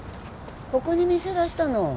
ここに店出したの？